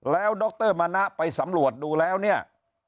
แล้วดรมณะไปสำรวจดูแล้วเนี่ย